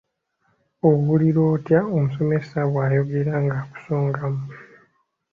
Owulira otya omusomesa bw'ayogera ng'akusongamu?